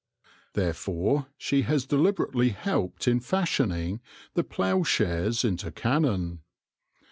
Therefore she has deliberately helped in fashioning the plough shares into cannon.